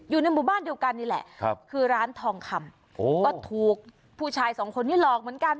อยู่ในหมู่บ้านเดียวกันนี่แหละครับคือร้านทองคำก็ถูกผู้ชายสองคนนี้หลอกเหมือนกัน